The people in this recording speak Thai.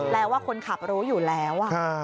แล้วว่าคนขับรู้อยู่แล้ว